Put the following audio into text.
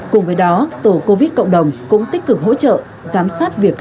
cùng với đó tổ covid cộng đồng cũng tích cực